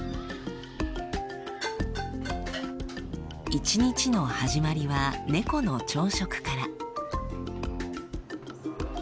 一日の始まりは猫の朝食から。